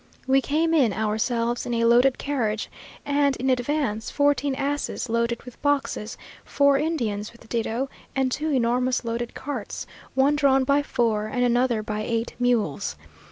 We came in, ourselves, in a loaded carriage, and in advance, fourteen asses loaded with boxes, four Indians with ditto, and two enormous loaded carts, one drawn by four, and another by eight mules.